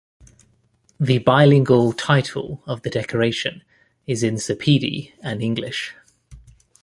The bilingual title of the decoration is in Sepedi and English.